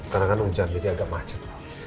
ternyata kan hujan jadi agak macem